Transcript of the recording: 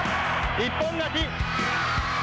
一本勝ち！